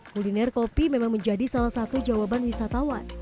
kuliner kopi memang menjadi salah satu jawaban wisatawan